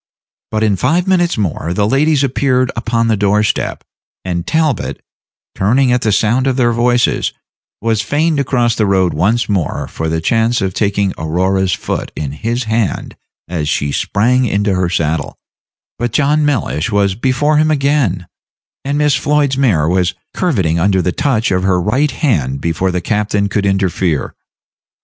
But in five minutes more the ladies appeared upon the door step, and Talbot, turning at the sound of their voices, was fain to cross the road once more for the chance of taking Aurora's foot in his hand as she sprang into her saddle; but John Mellish was before him again, and Miss Floyd's mare was curveting under the touch of her right hand before the captain could interfere.